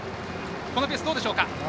このペースどうでしょうか？